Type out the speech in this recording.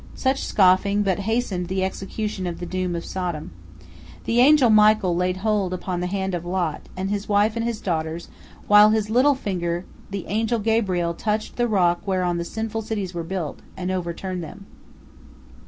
Such scoffing but hastened the execution of the doom of Sodom. The angel Michael laid hold upon the hand of Lot, and his wife and his daughters, while with his little finger the angel Gabriel touched the rock whereon the sinful cities were built, and overturned them.